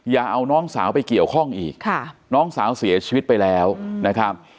อย่าเอาน้องสาวไปเกี่ยวข้องอีกค่ะน้องสาวเสียชีวิตไปแล้วนะครับ